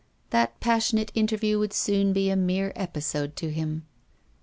That passionate interview would soon be a mere episode to him.